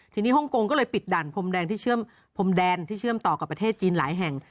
ทีนี้ฮ่องกงก็เลยปิดดันพรมแดนที่เชื่อมต่อกับประเทศจีนหลายแห่ง